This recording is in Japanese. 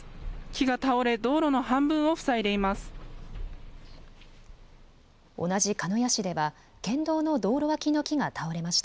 木が倒れ、道路の半分を塞いでいます。